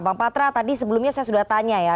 bang patra tadi sebelumnya saya sudah tanya ya